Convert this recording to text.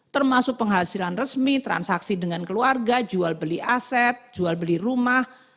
termasuk penghasilan resmi transaksi dengan keluarga jual beli aset jual beli rumah